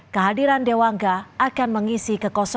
saya tidak mau melakukan apa yang saya bisa